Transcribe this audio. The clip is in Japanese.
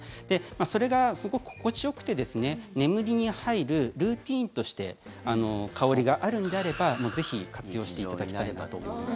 それがすごく心地よくて眠りに入るルーチンとして香りがあるのであればぜひ活用していただきたいなと思います。